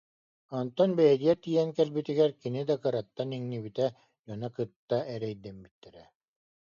Онтон бэйэтигэр тиийэн кэлбитигэр кини да кыраттан иҥнибитэ, дьоно кытта эрэйдэммиттэрэ